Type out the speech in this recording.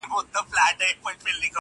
• ژوند د وېري سيوري للاندي دی..